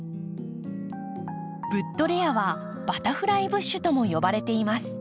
ブッドレアはバタフライブッシュとも呼ばれています。